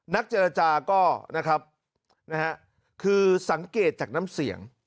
นักเจรจาก็นะครับนะฮะคือสังเกตจากน้ำเสียง